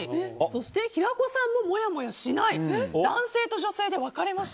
そして平子さんももやもやしない。